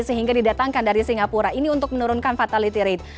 sehingga didatangkan dari singapura ini untuk menurunkan fatality rate